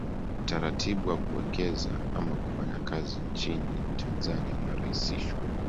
Utaratibu wa kuwekeza ama kufanya kazi nchini Tanzania unarahisishwa